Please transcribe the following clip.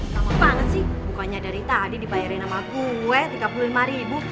lama banget sih bukannya dari tadi dibayarin sama gue tiga puluh lima ribu